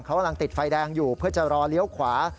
เขากำลังติดไฟแดงอยู่เพื่อจะรอเลี้ยวขวา